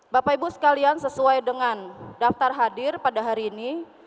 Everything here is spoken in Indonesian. bapak ibu sekalian sesuai dengan daftar hadir pada hari ini